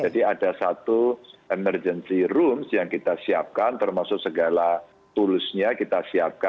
jadi ada satu emergency room yang kita siapkan termasuk segala tulusnya kita siapkan